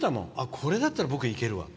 これだったら、僕これ、行けるわ。